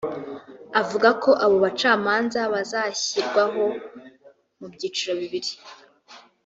Avuga ko abo bacamanza bazashyirwaho mu byiciro bibiri